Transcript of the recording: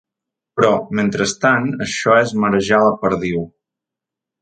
Però, mentrestant, això és marejar la perdiu.